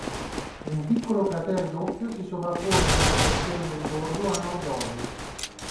Un piccolo cratere doppio si sovrappone ad una porzione del bordo a nord-ovest.